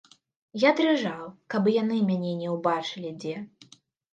Я дрыжаў, каб і яны мяне не ўбачылі дзе.